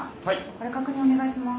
これ確認お願いします